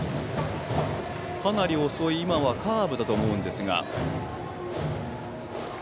かなり遅い今のはカーブだと思うんですが。